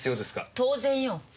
当然よ。